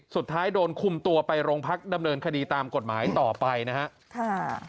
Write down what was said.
สุดท้ายโดนคุมตัวไปโรงพักดำเนินคดีตามกฎหมายต่อไปนะครับ